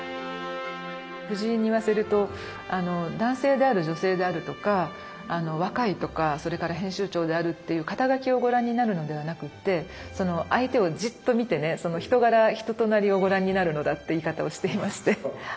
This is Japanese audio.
男性である女性であるとか若いとかそれから編集長であるっていう肩書をご覧になるのではなくって相手をじっと見てねその人柄人となりをご覧になるのだって言い方をしていましてはい。